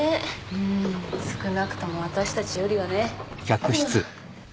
うん少なくともあたしたちよりはね。